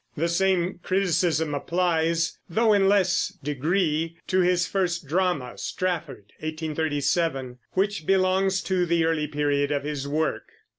The same criticism applies, though in less degree, to his first drama, Strafford (1837), which belongs to the early period of his work.